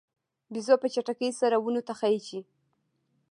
بیزو په چټکۍ سره ونو ته خیژي.